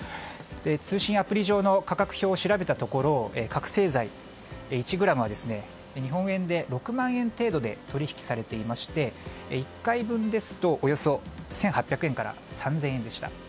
通信アプリ上の価格表を調べたところ覚醒剤１ｇは日本円で６万円程度で取引されていて１回分ですとおよそ１８００円から３０００円でした。